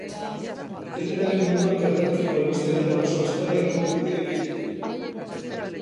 Ikerketaren munduan gertaturiko albisteen errepaso azkarra egingo dute eurekin.